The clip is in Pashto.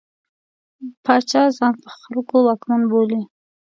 پاچا ځان په خلکو واکمن بولي.